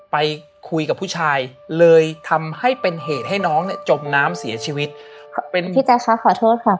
ไปคุยกับผู้ชายเลยทำให้เป็นเหตุให้น้องเนี้ยจมน้ำเสียชีวิตครับเป็นพี่แจ๊คค่ะขอโทษค่ะ